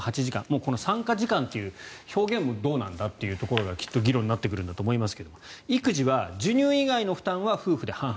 この参加時間という表現もどうなんだというところがきっと議論になってくるんだと思いますが育児は授乳以外の負担は夫婦で半々。